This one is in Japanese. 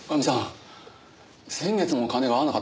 先月も金が合わなかったんですよ。